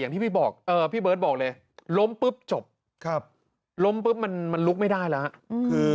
ที่พี่บอกพี่เบิร์ตบอกเลยล้มปุ๊บจบครับล้มปุ๊บมันลุกไม่ได้แล้วฮะ